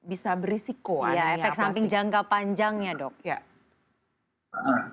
iya efek samping jangka panjang ya dok